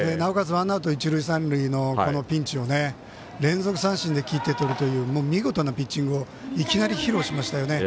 ワンアウト一塁三塁のピンチを連続三振で切ってとるという見事なピッチングをいきなり披露しましたよね。